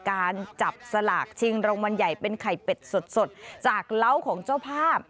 การจับสลากชิงรางวัลใหญ่เป็นไข่เป็ดสดจากเล้าของเจ้าภาพ